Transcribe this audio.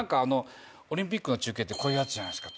オリンピックの中継ってこういうやつじゃないですか。